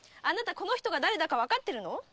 この人が誰だかわかってるの？